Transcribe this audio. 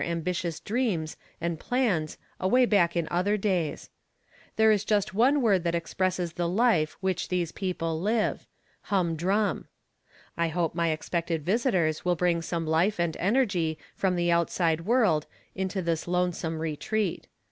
ambitious dreams "and plans away back in oth^fer .'days. There is just one word that expresses AMife which these peo ple live — humdrum. I hope my expected visitors will bring some life and ene]^y';fipom the outside world into this lonesome retreat.